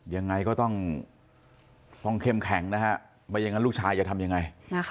ยังไงก็ต้องเข้มแข็งนะฮะไม่อย่างนั้นลูกชายจะทำยังไง